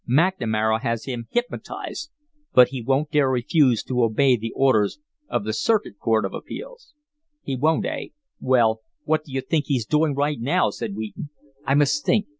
McNamara has him hypnotized, but he won't dare refuse to obey the orders of the Circuit Court of Appeals." "He won't, eh? Well, what do you think he's doing right now?" said Wheaton. "I must think.